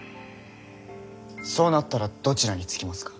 そうなったらどちらにつきますか？